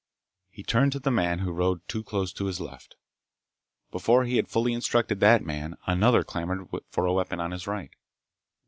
He turned to the man who rode too close to his left. Before he had fully instructed that man, another clamored for a weapon on his right.